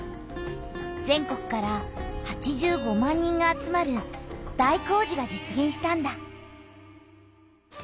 全国から８５万人が集まる大工事が実げんしたんだ。